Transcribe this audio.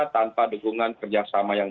tanpa dukungan kerjasama yang